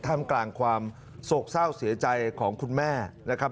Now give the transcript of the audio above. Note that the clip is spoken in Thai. ทำกลางความโศกเศร้าเสียใจของคุณแม่นะครับ